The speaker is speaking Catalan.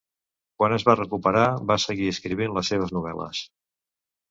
Quan es va recuperar, va seguir escrivint les seves novel·les.